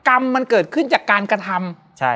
กรรมมันเกิดขึ้นจากการกระทำ